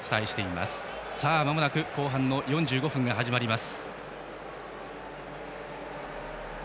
まもなく後半の４５分が始まります。